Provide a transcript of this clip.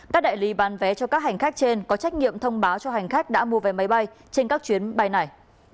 các đại lý bán vé cho các hành khách trên có trách nhiệm thông báo cho hành khách đã mua vé máy bay trên các chuyến bay này